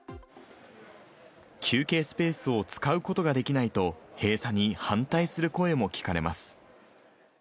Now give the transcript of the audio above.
休憩スペースを使うことができないと、閉鎖に反対する声も聞かれます。